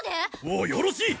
もうよろしい！